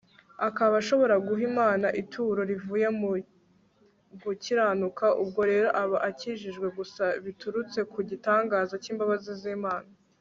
akaba ashobora guha imana ituro rivuye mu gukiranuka, ubwo rero aba akijijwe gusa biturutse ku gitangaza cy'imbabazi z'imana